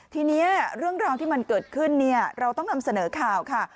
ทีนี้เรื่องราวที่มันเกิดขึ้นเราต้องนำเสนอข่าวค่ะ